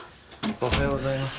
おはようございます。